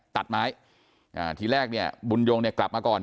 ตัดไม้อ่าทีแรกเนี่ยบุญยงเนี่ยกลับมาก่อน